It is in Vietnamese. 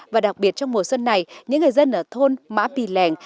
và đặc biệt trong mùa xuân này những người dân ở thôn mã pì lèng